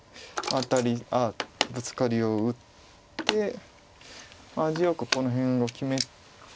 ブツカリを打って味よくこの辺を決めて。